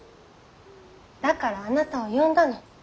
だからあなたを呼んだの。